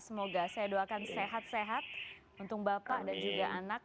semoga saya doakan sehat sehat untuk bapak dan juga anak